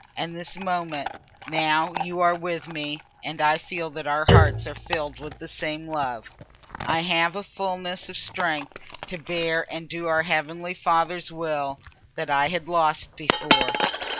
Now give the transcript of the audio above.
And this moment, now you are with me, and I feel that our hearts are filled with the same love. I have a fulness of strength to bear and do our heavenly Father's Will that I had lost before."